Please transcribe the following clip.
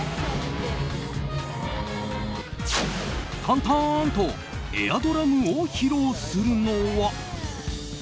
タンターンとエアドラムを披露するのは。